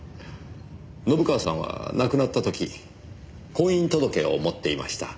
信川さんは亡くなった時婚姻届を持っていました。